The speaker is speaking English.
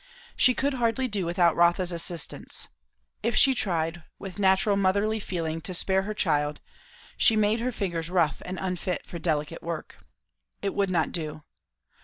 She could hardly do without Rotha's assistance. If she tried, with natural motherly feeling, to spare her child, she made her fingers rough and unfit for delicate work. It would not do.